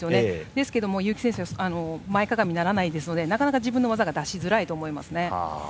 ですが結城選手は前かがみにならないのでなかなか自分の技が出しづらいと思います。